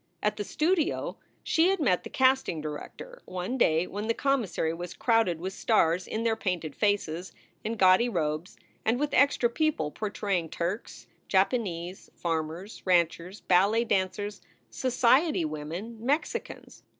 At the studio she had met the casting director, one day when the commissary was crowded with stars in their painted faces and gaudy robes and with extra people portraying Turks, Japanese, farmers, ranchers, ballet dancers, society women, Mexicans.